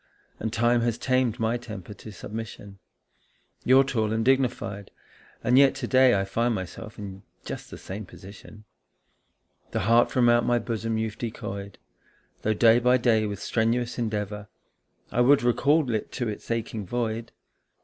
And time has tamed my temper to submission. You're tall and dignified, and yet to day I find myself in just the same position. The heart from out my bosom you've decoyed, Though day by day with strenuous endeavour I would recall it to its aching void.